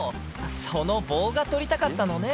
その棒が取りたかったのね。